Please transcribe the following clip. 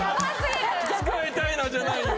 「使いたいな」じゃないよ。